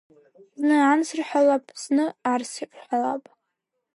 Зны анс рҳәалап, зны арс рҳәалап…